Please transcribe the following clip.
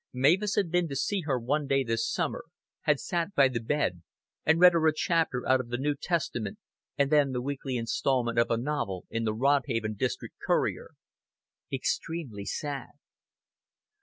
Mavis had been to see her one day this summer, had sat by the bed, and read her a chapter out of the New Testament and then the weekly instalment of a novel in the Rodhaven District Courier. Extremely sad.